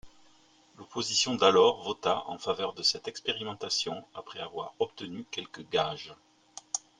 L’opposition d’alors vota en faveur de cette expérimentation après avoir obtenu quelques gages.